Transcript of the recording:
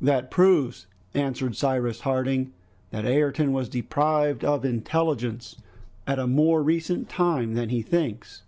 "That proves," answered Cyrus Harding, "that Ayrton was deprived of intelligence at a more recent time than he thinks."